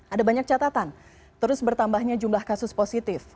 ada banyak catatan terus bertambahnya jumlah kasus positif